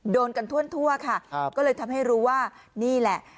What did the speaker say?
โดนกันทั่วค่ะก็เลยทำให้รู้ว่านี่แหละ